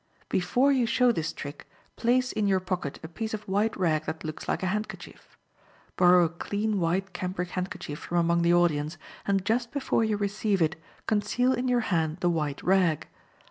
Before you show this trick, place in your pocket a piece of white rag that looks like a handkerchief. Borrow a clean white cambric handkerchief from among the audience, and just before you receive it, conceal in your hand the white rag.